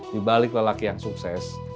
di balik lelaki yang sukses